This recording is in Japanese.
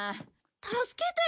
助けてよ！